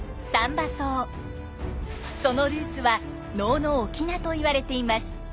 そのルーツは能の「翁」といわれています。